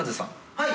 はい。